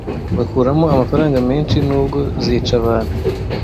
bakuramo amafaranga menshi nubwo zica abantu